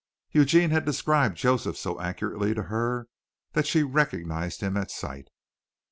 Eugene had described Joseph so accurately to her that she recognized him at sight.